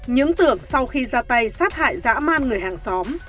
những tưởng sau khi ra tay sát hại dã man người hàng xóm